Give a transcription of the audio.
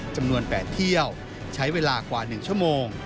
จำนวน๘เที่ยวใช้เวลากว่า๑ชั่วโมง